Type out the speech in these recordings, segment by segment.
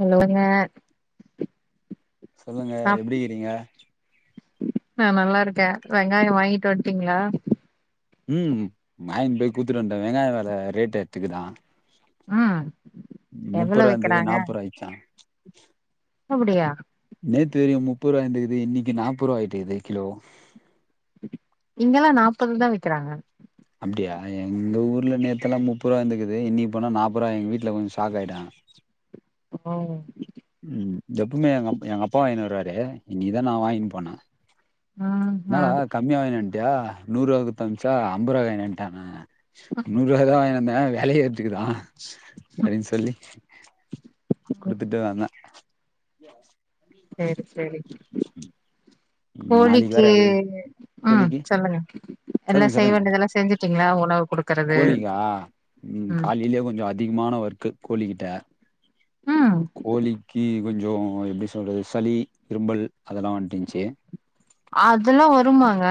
இன்னொன்னு சொல்லுங்க எப்டிக்கிறீங்க நா நல்லா இருக்கே வெங்கயோ வாங்கிட்டு வந்ட்டீங்களா ம் மார்னிங்க் போய் கூத்துட்டு வந்டே வெங்காய வேல ரேட் எத்துக்குறா ம் ம் முப்ப எவ்வளோ ரூவா இருந்தது விக்கிறாங்க நாப்ப ரூவா ஆயிச்சா அப்டியா நேத்து வரைக்கு முப்பது ரூவா இருந்தது இருக்கு இன்னைக்கு நாப்ப ரூபா ஆயிட்ருக்குது கிலோ இங்கெல்லா நாப்பதுக்குதா வித்துறாங்க அப்டியா எங்க ஊர்ல நேத்தெல்லா முப்ப ரூபா இருந்துக்குது இன்னிக்கு போனா நாப்ப ரூவா எங்க வீட்ல கொஞ்ச ஷாக் ஆயிட்டாங்க ஓ ம் எப்பமே எங்க அப் எங்க அப்பா வாங்கினு வருவாரு இன்னிக்குதா நா வாங்கினு போனே ம் என்னாடா ம் கம்மியா வாங்கினு வந்ட்டியா நூருவா குடுத்து அம்சா அம்பருவாக்கு வாங்கிட்டு வந்டானா அவ நூருவாக்குதா வாங்கினு வெலைய ஏத்துக்குறா அப்டின்னு சொல்லி குடுத்துட்டு வந்தே சேரி சேரி நாளைக்கு கோழிக்கு வேற எல் அ கோழிக்கு சொல்லுங்க எல்லா சொல்லுங்க செய்ய சொல்லுங்க வேண்டியதெல்லா செஞ்சிட்டீங்களா உணவு குடுக் கோழிக்கா ம் காலையிலயே கொஞ்சோ அதிகமான ஒர்க்கு கோழிகிட்ட அ கோழிக்கு கொஞ்சோ எப்டி சொல்றது சளி இரும்பல் அதெல்லா வந்ட்டுயின்ச்சு அதெல்லா வருமாங்க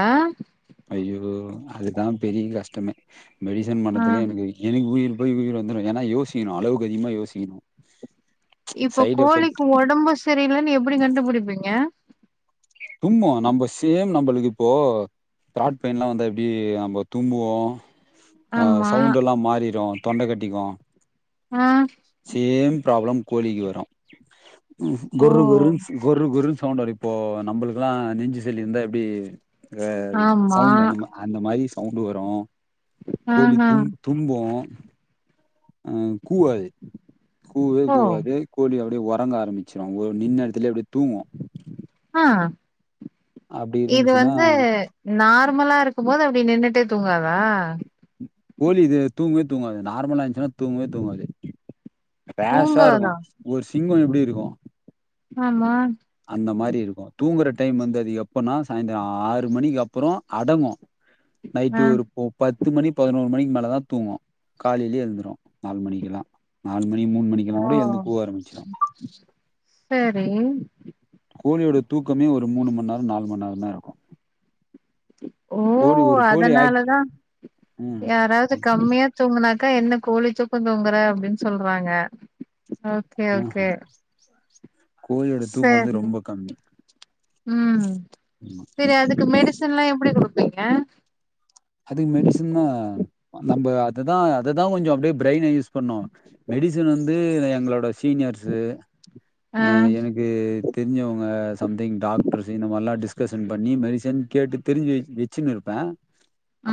ஐயோ அதுதா பெரிய கஷ்டமே மெடிசன் ஆ பண்றதுல்ல எனக்கு எனக்கு உயிர் போயி உயிர் வந்துரு ஏன்னா யோசிக்கணு அளவுக்கு அதிகமா யோசிக்கணு இப்போ சைட் எஃபெக்ட் கோழிக்கு ஒடம்பு சரி இல்லன்னு எப்டி கண்டுபிடிப்பீங்க தும்மா நம்ப சேம் நம்பளுக்கு இப்போ த்ராட் பேயின்ல்லா வந்தா எப்டி நம்ப தும்புவோ அ ஆமா சவுண்ட எல்லா மாறிடு தொண்ட கட்டிக்கு அ சேம் ப்ராப்ளம் கோழிக்கு வரு ஓ குர்ரு குர்ருன் குர்ரு குர்ருன் சவுண்ட் அடிப் இப்போ நம்பளுக்கெல்லா நெஞ்சு சளி இருந்தா எப்டி இந்த ஆ ஆமா சவுண்ட் அந்த மா அந்த மாரி சவுண்டு வரு கோழி ஆஹா தும் தும்போ அ கூவாது கூவவே ஓ கூவாது கோழி அப்டியே ஒறங்க ஆரம்பிச் சிடு உ நின்ன எடத்துலயே அப்டியே தூங்கு அ அப்டி இது இருந்துச்சுன்னா வந்து நார்மலா இருக்கும் போது அப்டியே நின்னுட்டே தூங்காதா கோழி இது தூங்கவே தூங்காது நார்மலா இருன்ச்சுன்னா தூங்கவே தூங்காது க்ளாசா இருக்கு தூங்காதா ஒரு சிங்கொ எப்டி இருக்கு ஆமா அந்த மாரி இருக்கு தூங்குற டைம் வந்து அது எப்பனா சாய்ந்தர ஆறு மணிக்கு அப்பறோ அடங்கு ஆ நைட்டு ஒரு ஓ பத்து மணி பதினோரு மணிக்கு மேல தா தூங்கு காலைலயே எழுந்துடு நாலு மணிக்கெல்லா நாலு மணி மூணுக்மணிக்கெல்லா ஓ கூட எழுந்து கூவ ஆரம்பிச்சிடு சரி கோழியோட தூக்கமே ஒரு மூணு மண்நேரோ நாலு மண்நேரந்தா இருக்கு ஓ கோழி ஒரு கோழி ஆக்ட் அதனாலதா ம் யாராவ்து கம்மியா தூங்குனாக்கா என்ன கோழி தூக்கோ தூங்குற அப்டின்னு சொல்றாங்க ஓகே ஆ ஹ சேரி ம் ம் செரி அதுக் கு மெடிசன்ல்லா எப்டி குடுப்பீங்க அதுக்கு மெடிசன்தா நம்ம அததா அததா கொஞ்சோ அப்டியே பிரைன யூஸ் பண்ணு மெடிசன் வந்து என்ன எங்களோட சீனியர்ஸ்சு ஆ எனக் கு தெரிஞ்சவங்க சம்திங் டாக்டர்ஸ் இந்த மாறில்லா டிஸ்கசன் பண்ணி மெடிசன் கேட்டு தெரிஞ்சி வச் வச் சின்னு இருப்பே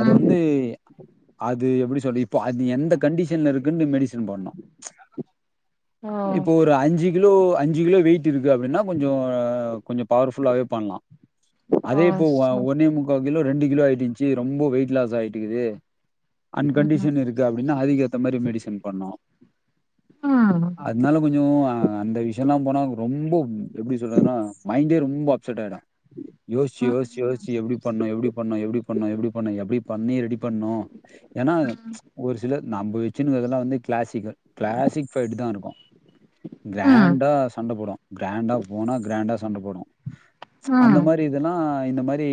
அத வந்து அது எப்டி சொல்ல இப்ப அது எந்த கண்டிஷன்ல இருக்குன்னு மெடி ஷன் பண்ணோ ஓ இப்ப ஒரு அஞ்சு கிலோ அஞ்சு கிலோ வெயிட் இருக்கு அப்டின்னா கொஞ்சோ கொஞ்சோ பவர் ஃபுல்லாவே பண்ணலா அதே இப்போ ஓ ஒன்னே முக் கா கிலோ ரெண்டு கிலோ ஆயிட்டுச்சி ரொம்ப வெயிட்லாஸ் ஆயிட்டுக்குது ம் அன்கண்டிஷன் இருக்கு அப்டின்னா அதுக்கு ஏத்த மாரி மெடிஷன் பண்ணோ அப் ம் அதனால கொஞ்சோ அந்த விஷயல்லா போனா ரொம்ப எப்டி சொல்றதுன்னா மைண்டே ரொம்ப செட் ஆயிடு யோசிச்சி ம் யோசிச்சி யோசிச்சி எப்டி பண்ணனு எப்டி பண்ணனு எப்டி பண்ணனு எப்டி பண்ணனு எப்டி பண்ணி ரெடி பண்ணனு ஏன்னா ம் ஒரு சிலர் நம்ம வச்சுன்னு இருக்கறதுல்லா வந்து கிளாசிக்கல் க்ளாசிக் ஃபைட்தா இருக்கு ம் ம் கிராண்டா சண்ட போடு கிராண்டா போனா கிராண்டா சண்ட போடு அந்த ம் மாறி இது இதெல்லா இந்த மாறி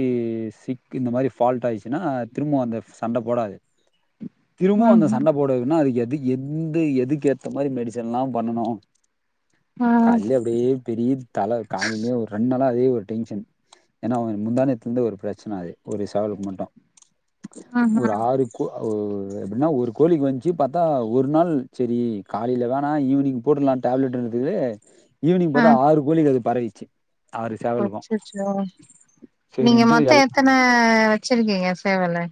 சிக் இந்த மாறி ஃபால்ட் ஆயிடுச்சுன்னா திரும்பவு அந்த சண்ட போடாது [inaudible] திரும்பவு ம் அந்த சண்ட போடவேன்னா அது எது எந்த எதுக்கு ஏத்த மாரி மெடிசன்ல்லா பண்ணனு ம் கால்லயே அப்டியே பெரிய தலை காலேலயே ஒரு ரெண்டு நாளா அதே ஒரு டென்ஷன் ஏன்னா முந்தாநேத்துல இருந்தே ஒரு பிரச்சன அது ஒரு சேவலுக்கு மட்டு ஒரு ம் ஆறு கோ ஓ எப்டின்னா ஒரு கோழிக்கு வந்துச்சு பாத்தா ஒரு நாள் சரி காலேல வேணா ஈவினிங் போட்றலான்னு டேப்லெட் என்னதுக்கு ஈவினிங் ம் பாத்தா ஆறு கோழிக்கு அது பரவிச்சு அச்சச்சோ நீங்க சரின்ட்டு மொத்தோ எல் எத்தன வச்சிருக்கீங்க சேவலு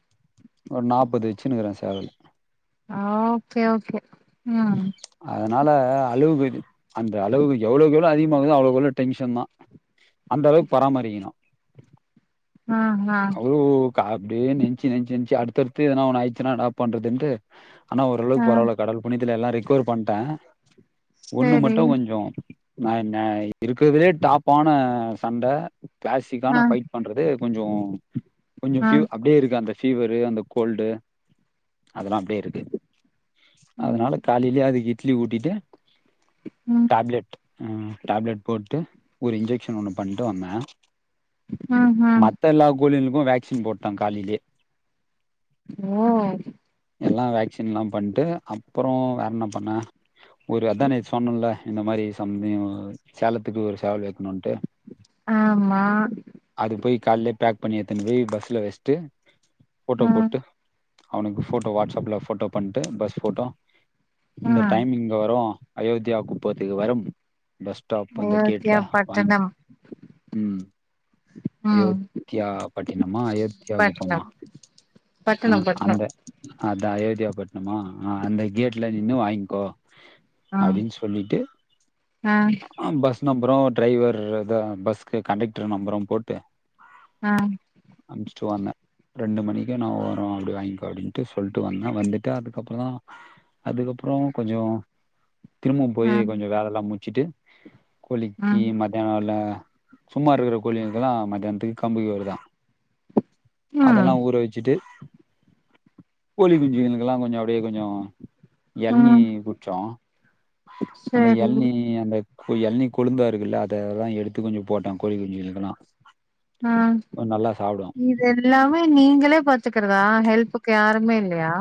ஒரு நாப்பது வச்சின்னு இருக்குறே சேவலு ஆ ஓகே ஓகே ம் அதனால அளவுங்க இது அந்த அளவுக்கு எவ்வளவுக்கு எவ்ளோ அதிகமாகுதோ அவ்வளவுக்கு அவ்ளோ டென்ஷன்தா அந்த அளவுக்கு பராமரிக்கணு ஆ ஆ அவ்ளவுக்கு அப்டியே நெனச்சு நெனச்சு நெனச்சு அடுத்தடுத்து எதுனா ஒன்னு ஆயிருச்சுன்னா என்னடா பண்ணறதுண்டு ஆனா ஆ ஓரளவுக்கு பரவாயில்ல கடவுள் புண்ணியத்துல எல்லா ரெக்கவர் பண்ட்டே ஒண்ணு சேரி மட்டு கொஞ்சோ நா நா இருக்குறதுலயே டாப்பான சண்ட கிளாசிக்கான ஆ ஃபைட் பண்றது கொஞ்சோ கொஞ்சோ ஆ பீவ அப்டியே இருக்கு அந்த பிவரு அந்த கோல்டு அதெல்லா அப்டியே இருக்கு ம் அதனால காலேலயே அதுக்கு இட்லி ஊட்டிட்டு ம் டேப்லெட் ம் டேப்லெட் போட்டு ஒரு இன்ஜெக்க்ஷன் ஒன்னு பண்ட்டு வந்தே ம் ம் மத்த எல்லா கோழிங்களுக்கு வேக்சின் போட்டே காலிலயே ஓ எல்லா வேக்சின்லா பண்ட்டு அப்பறோ வேற என்ன பண்ண ஒரு அதா நேத்து சொன்னேல்ல இந்த மாதிரி சம்திங் சேலத்துக்கு ஒரு சேவல் வக்கணுன்ட்டு ஆமா அது போய் கால்லே பேக் பண்ணி எத்துன் போய் பஸ்ல வச்சிட்டு ஃபோட்டோ ஆ போட்டு அவனுக்கு ஃபோட்டோ வாட்ஸ் அப்ல ஃபோட்டோ பண்ட்டு பஸ் ஃபோட்டோ ஆ இந்த டைமிங்ல வரு அயோத்தியா குப்பத்துக்கு வரும் பஸ் ஸ்டாப் அந்த கேட்ல அயோத்தியா வாங்கி பட்டணம் ம் ம் அயோத்தியா பட்டினமா அயோத்தியா குப்பம்மா பட்னம் ஆ பட்டணம் அந்த பட்டணம் அதா அயோத்தியா பட்ணமா அந்த கேட் ல நின்னு வாங்கிக்கோ ஆ அப்டின் சொல்லிட்டு ஆ ஆ பஸ் நம்பரு அந்த டிரைவர் பஸ்க்கு கண்டெக்ட்ரு நம்பரு போட்டு ஆ அம்ச்சிட்டு வந்தே ரெண்டு மணிக்கே ன்னு வரும் அப்டி வாங்கிக்கோ அப்டின்ட்டு சொல்ட்டு வந்தே வந்துட்டு அதுக்கப்றோ தா அதுக்கப்றோ கொஞ்சோ திரும்ப ஆ போயி கொஞ்சோ வேலைலா முச்சுட்டு ஆ கோழிக்கு மத் [unintelligible] ல சும்மா இருக்குற கோழிங்களுக்குலா மத்தியானத்துக்கு கம்பு கெவுரு தா அதல்லா ம் ஊற வச் கோழி குஞ்சுங்களுக்கெல்லா கொஞ்சோ அப்டே கொஞ்சோ எள்னி ம் குச்சோ அந்த சேரி எள்னி அந்த ஒரு எள்னி கொளுந்தா இருக்குல்ல அதெல்லா எடுத்து கொஞ்சோ போட்டே கோழி குஞ்சுங்களுக்கெல்லா ஆ கொ நல்லா சாப்டு இதுயெல்லாமே நீங்களே பாத்துக்கறதா ஹெல்ப்புக்கு யாருமே இல்லையா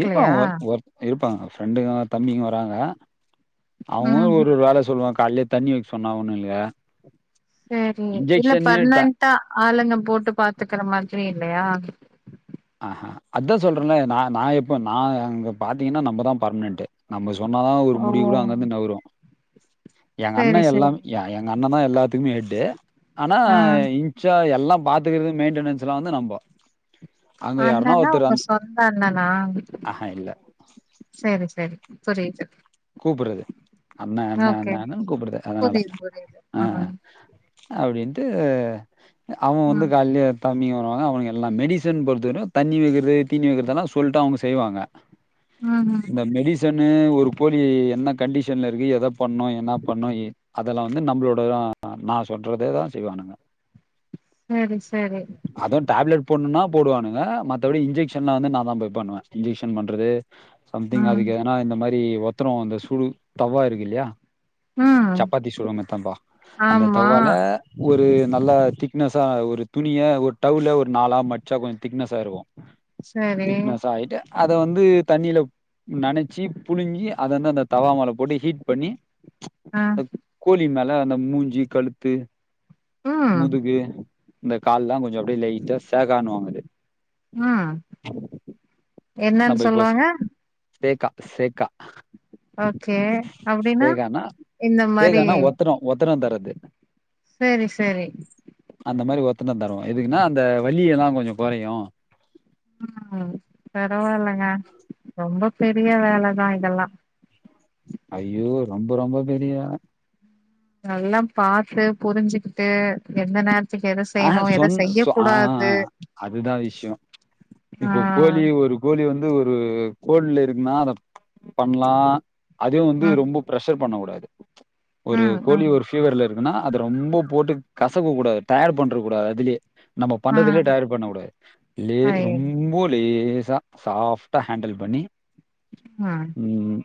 இருப்பாங் ஒர் ஒர் இருப்பாங் ஃப்ரெண்டுங்க தம்பிங்க வராங்க அவுங்கவுங்களு ம்ஹூம் ஒரு ஒரு வேல சொல்லுவே கால்லே தண்ணி வெக்க சொன்னே அவுனுங்கலயே சேரி இல்ல பர்மனென்டா ஆளுங்க போட்டு பாத்துக்கற மாதிரி இல்லையா ஆ ஹா அதா சொல்றன் ல்ல நா நா இப்ப நா தா பாத்தீங்கன்னா நம்பதா பர்மனென்ட்டு நம்ப சொன்னாதா ஒரு ஓ முடி கூட அங்கந்து நவுரு எங்க அண்ண சரி எல்லா சரி எங்க அண்ணந்தா எல்லாத்துக்குமே ஹெட்டு ஆனா ஆ ஞ்சா எல்லா பாத்துக்கறது மெயின்டெனன்ஸ்லா வந்து நம்போ அண்ணனா உங்க சொந்த அண்ணனா ஆஹா இல்லை சேரி சேரி புரிது கூப்டுது அண்ண அண்ண அண்ணன்னு கூப்து அதனால புரியுது புரியுது ஆ ம் அப்டின்ட்டு அவே வந்து ம் கால்லே தம்பிங்க வருவாங்க அவுனுங்க எல்லா மெடிசன் பொறுத்தவரியு தண்ணி வெக்கிறது தீனி வெக்கிறதெல்லா சொல்ட்டா அவுங்க செய்வாங்க ம் ஹும் இந்த மெடிசன்னு ஒரு கோழி என்ன கண்டிஷன்ல இருக்கு எத பண்ணு என்னா பண்ணு அதல்லா வந்து நம்ளோட தா நா சொல்றதே தா செய்வானுங்க சேரி சேரி அதுவு டேப்லெட் போண்ணுனா போடுவானுங்க மத்தபடி இன்ஜெக்க்ஷன்லா வந்து நா தா போய் பண்ணுவே இன்ஜெக்க்ஷன் பண்றது சம்திங் ம் அதுக்கு ஏனா இந்த மாரி ஒத்தரோ இந்த சூடு தவா இருக்கு இல்லியா ம் சப்பாத்தி சுடுவமே தவா அந்த ஆமா தவால ஒரு நல்லா திக்னஸ்ஸா ஒரு துணிய ஒரு டவ்ல ஒரு நாலா மச்சா கொஞ்சோ திக்னஸ்ஸா இருக்கு சரி திக்னஸ் ஆயிட்டே அத வந்து தண்ணில நெனைச்சி புழிஞ்சி அதந்து அந்த தவா மேல போட்டு ஹீட் பண்ணி ஆ அந்த கோழி மேல அந்த மூஞ்சி கழுத்து ம் முதுகு இந்த கால்லா கொஞ்சோ அப்டே லைட்டா சேகானுவாங்க அது ம் நா என்னன்னு போய் பேசரே சொல்லுவாங்க தேக்கா சேக்கா ஓகே அப்டின்னா தேகானா இந்த மாரி தேகானா ஒத்தனோ ஒத்தனோ தரது செரி செரி அந்த மாரி ஒரு ஒத்தன தருவோ எதுக்குன்னா அந்த வலியெல்லா கொஞ்சோ கொறையு ம் பரவாயில்லங்க ரொம்ப பெரிய வேலதா இதெல்லா ஐயோ ரொம்ப ரொம்ப பெரிய வேல நல்லா பாத்து புருஞ்சுக்கிட்டு எந்த நேர ஆ சொன் சொ ஆ அதுதா விஷ்யோ ஆ இப்ப கோழி ஒரு கோழி வந்து ஒரு கோடுல இருக்குன்னா அத பண்லா அதையு வந்து ம் ரொம்ப ப்ரெஷர் பண்ண கூடாது ஒரு ம் கோழி ம் ஒரு ஃபீவர்ல இருக்குன்னா அத ரொம்ப போட்டு கசக்க கூடாது டயட் பண்ற கூடாது அதுலே நம்ம ஆ பண்றதுலயே டயட் பண்ணக்கூடாது லே ஐய ரொம்ப லேசா சாஃப்டா ஹேண்டில் பண்ணி ம்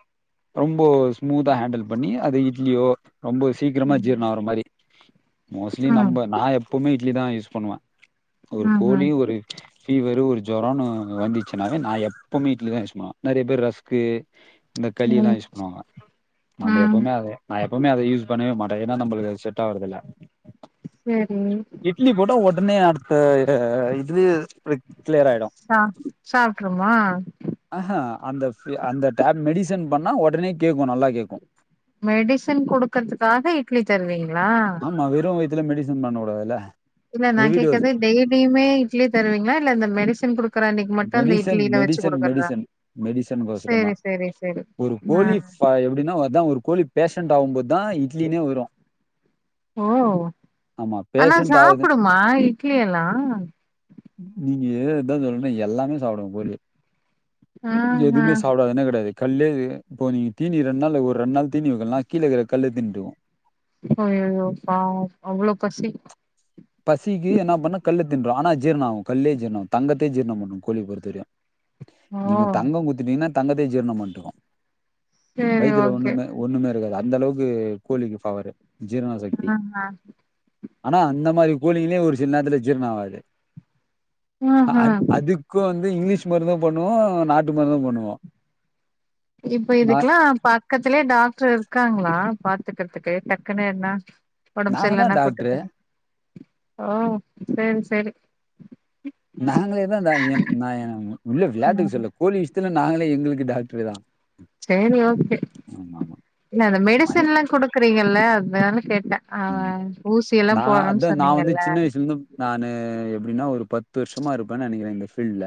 ரொம்ப ஸ்மூதா ஹேண்டல் பண்ணி அது இட்லியோ ரொம்ப சீக்கிரமா ம் ஜீர்ண ஆகுற மாரி மோஸ்ட்லி நம்ப நா எப்பவுமே இட்லி தா யூஸ் பண்ணுவே ஒரு ம்ஹும் கோழியு ஒரு ஃபீவரு ஒரு ஜொரோனு வ வந்துச்சுன்னாவே நா எப்பவுமே இட்லி தா யூஸ் பண்ணுவ நெறையா பேரு ரஸ்கு இந்த கலி எல்லா ம் யூஸ் பண்ணுவாங்க நம்ம ம் எப்பவுமே அதுதா நா எப்பவுமே அத யூஸ் பண்ணவே மாட்டே ஏனா நம்மளுக்கு அது செட் ஆவறதில்ல செரி இட்லி போட்டா ஒடனே அடுத்த இத இது ல க்ளியர் ஆகிடு ச சாப்டுருமா ஆகா அந்த அந்த டேப் மெடிசன் பண்ணா உடனே கேக்கு நல்லா கேக்கு மெடிசன் குடுக்கறதுக்காக இட்லி தருவீங்களா [unintelligible] இல்ல மெடிசன் பண்ண விடாதுல்ல இல்ல நா கேக்கறது டெய்லியுமே இட்லி தருவீங்களா இல்ல இந்த மெடிசின் குடுக் கற அன்னைக்கு மட்டு அந்த மெடிசன் இட்லியில வச்சு மெடிசன் குடுக்கறதா மெடிசன் மெடிசனுக்கோசரந்தா செரி செரி செரி ஒரு கோழி ப எப்டினா வருதா ஒரு கோழி பேஷன்டாகும்போதுதா இட்லினே வரு ஓ ஆமா ஆனா பேஷண்ட் ஆகுது சாப்புடுமா இட்லி எல்லா நீங்க இதா சொல்றே எல்லாமே சாப்டுங்க கோழி ஆஹா. எதுமே சாப்டாதுனா கெடையாது கல்லே இப்போ நீங்க தீனி ரெண் நாள் ஒரு ரெண் நாள் தீனி வைக்கலானா கீழ இருக்குற கல்லே தின்று அய்யயோ பாவோ அவ்ளோ பசி பசிக்கு என்ன பண்ணு கல்ல தின்று ஆனா ஜீர்ணோ ஆகு கல்லே ஜீர்ணு ஆகு தங்கத்தே ஜீர்ணம் பண்ணு கோழி பொருத்தவரைையு ஓ! நீங்க தங்கோ குடுத்துட்டீங்கனா தங்கத்தயு ஜீர்ணோ பண்ணுட்ருக்கு சரி வயித்துல ஓகே. ஒண்ணுமே ஒண்ணுமே இருக்காது அந்த அளவுக்கு கோழிக்கு பவரு ஜீரணோசக்தி ஆ ஆ ஆனா அந்த மாரி கோழிங்களே ஒரு சில நேரத்துல ஜீர்ண ஆகாது அ ம்ஹ்ம். அதுக்கு வந்து இங்லீஷ் மருந்து பண்ணுவோ நாட்டு மருந்து பண்ணுவோ இப்ப இதுக்குல்லா பா பக்கத்துலே டாக்டர் இருக்காங்களா பாத்துக்கற்துக்கு டக்குன்னு என்ன ஒடம்பு நாங்க தான் சரில்லனா கூட்டு டாக்டரு போய் ஓ சரி சரி நாங்களேதா நா என் நா உள்ள விளாட்டுக்கு ம். சொல்ல கூலி த்துல நாங்களே எங்களுக்கு டாக்டரே தா சேரி ஓகே இல்ல அந்த மணி மெடிசன்ல்லா குடுக்குறீங்கல்ல அதனால கேட்ட ஆ ம் ஊசி எல்லா நா போடுறோனு அதா நா வந்து சொன்னீங்கல்ல சின்ன வயசுலருந்து நானு எப்டின்னா ஒரு பத்து வர்ஷமா இருப்பேனு நெனைக்கிறே இந்த ஃபீல்டுல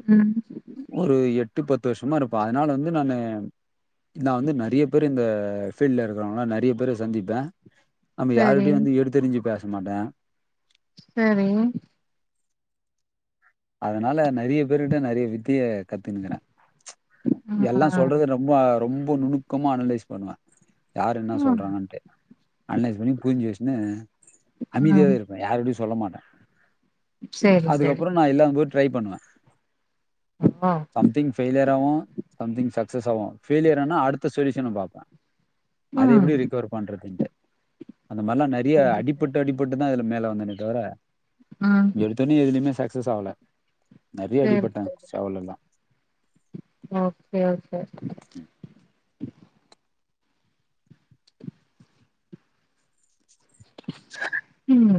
ம் ஒரு எட்டு பத்து வர்ஷோமா இருப்போ அதுனால வந்து நானு நா வந்து நறைய பேர் இந்த ஃபீல்ட்ல இருக்கிறவங்களா நறைய பேர சந்திப்ப நம்ம சரி யாருட்டையு வந்து எடுத்து எரிஞ்சு பேச மாட்ட ம் அதனால நெறைய பேருகிட்ட நெறைய வித்தைய கத்துனுக்கிற எல்லா ஆ சொல்றத ரொம்ப ரொம்ப நுணுக்கமா அனலைஸ் பண்ணுவ யார் என்ன ம் சொல்றாங்கன்ட்டு அன்லைஸ் பண்ணி புரிஞ்சு வச்சுன்னு ம் அமைதியாவே இருப்பே யாருட்டயு சொல்ல மாட்ட சரி சரி அதுக்கப்புறோ நா இல்லாம போய் ட்ரை பண்ணுவ ஆ திங் ஃபேலியர் ஆவு சம்திங் சக்ஸஸ் ஆவு ஃபேலியியர் ஆனா அடுத்த சொல்யூஷன பாப்ப அத ம் எப்டி ரிக்கவர் பண்றதுன்ட்டு அந்த மாரிலா நறைய சரி அடி சரி பட்டு அடிப்பட்டுதா இதுல மேல வந்தனே தவிர ம் எடுத்தோனே எதுலயுமே சக்சஸ் ஆவல நெறைய சரி அடிப்பட்ட சரி செவலல்லா ஓகே ஓகே [inaudible] ம்